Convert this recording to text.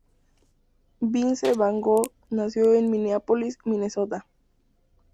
Vince Vaughn nació en Mineápolis, Minnesota.